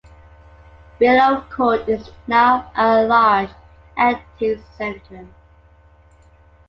Willow Court is now a large antiques centre.